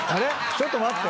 ちょっと待って。